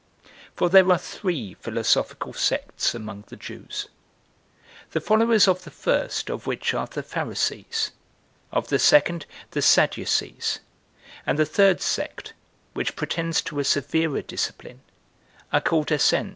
2. For there are three philosophical sects among the Jews. The followers of the first of which are the Pharisees; of the second, the Sadducees; and the third sect, which pretends to a severer discipline, are called Essens.